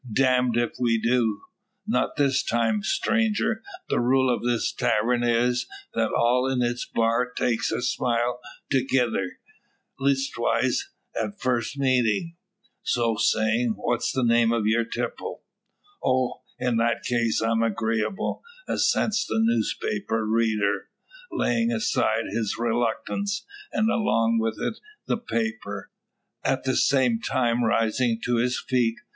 "Damned if we do! Not this time, stranger. The rule o' this tavern is, that all in its bar takes a smile thegither leastwise on first meeting. So, say what's the name o' yer tipple." "Oh! in that case I'm agreeable," assents the newspaper reader, laying aside his reluctance, and along with it the paper at the same time rising to his feet.